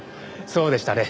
そうでしたね。